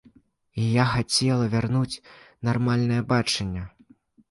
І я хацела вярнуць нармальнае бачанне.